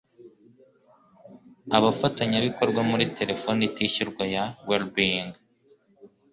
Abafatanyabikorwa muri telefoni itishyurwa ya Wellbeing